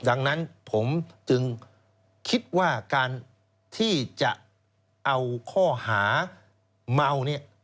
ดังนั้นผมจึงคิดว่าการที่จะเอาข้อหาเมาเนี่ย